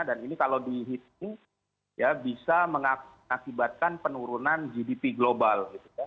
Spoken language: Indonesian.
dan ini kalau dihitung ya bisa mengakibatkan penurunan gdp global